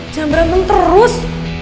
jangan berantem terus